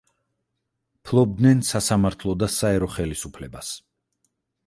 ფლობდნენ სასამართლო და საერო ხელისუფლებას.